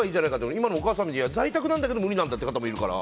でも今のお母さんみたいに在宅なんだけど無理なんだっていう方もいるから。